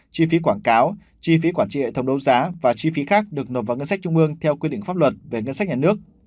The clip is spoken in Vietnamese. chi phí quảng cáo chi phí quản trị hệ thống đấu giá và chi phí khác được nộp vào ngân sách trung ương theo quy định pháp luật về ngân sách nhà nước